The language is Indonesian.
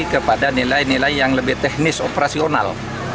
kepada nilai nilai yang lebih teknis operasional